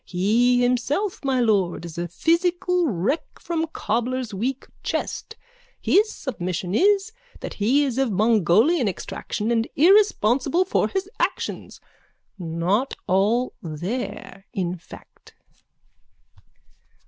He himself, my lord, is a physical wreck from cobbler's weak chest. His submission is that he is of Mongolian extraction and irresponsible for his actions. Not all there, in fact.